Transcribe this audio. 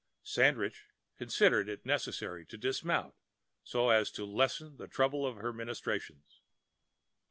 Sandridge considered it necessary to dismount so as to lessen the trouble of her ministrations.